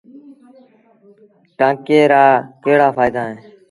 ٽآنڪي رآڪهڙآ ڦآئيدآ اهيݩ۔